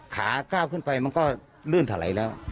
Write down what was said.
ขาก้าวขึ้นไปมันก็ลื่นถลายแล้ว